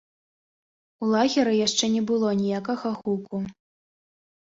У лагеры яшчэ не было ніякага гуку.